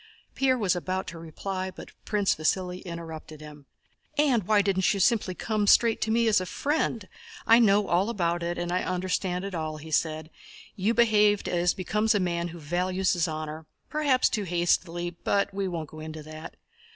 Pierre was about to reply, but Prince Vasíli interrupted him. "And why didn't you simply come straight to me as to a friend? I know all about it and understand it all," he said. "You behaved as becomes a man who values his honor, perhaps too hastily, but we won't go into that.